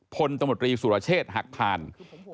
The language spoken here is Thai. ตมตรีสุรเชษฐ์หักพาน